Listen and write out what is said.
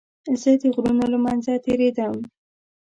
زه د غرونو له منځه تېرېدم.